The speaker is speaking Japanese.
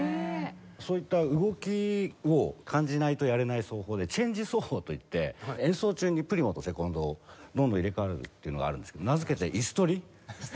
そういった動きを感じないとやれない奏法でチェンジ奏法といって演奏中にプリモとセコンドをどんどん入れ替わるっていうのがあるんですけど名付けて椅子取り。